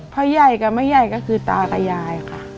พ่อใหญ่กับแม่ใหญ่ก็คือตากับยายค่ะ